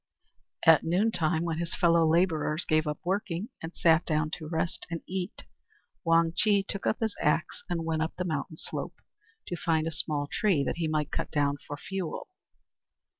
At noontide, when his fellow labourers gave up working, and sat down to rest and eat, Wang Chih took his axe and went up the mountain slope to find a small tree that he might cut down for fuel.